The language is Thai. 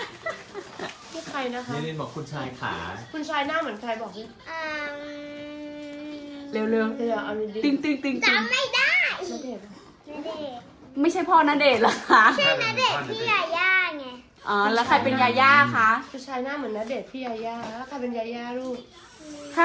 นิรินบอกคุณชายค่ะ